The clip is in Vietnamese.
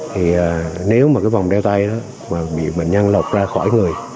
thì nếu mà cái vòng đeo tay đó bị bệnh nhân lột ra khỏi người